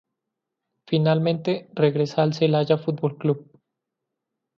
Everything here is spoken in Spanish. Finalmente regresa al Celaya Fútbol Club.